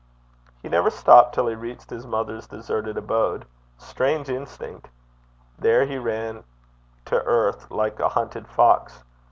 He never stopped till he reached his mother's deserted abode strange instinct! There he ran to earth like a hunted fox.